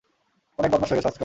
অনেক বদমাশ হয়ে গেছো আজকাল।